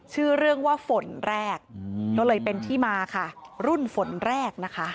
ชื่อเรื่องว่าฝนแรกก็เลยเป็นที่มาค่ะรุ่นฝนแรกนะคะ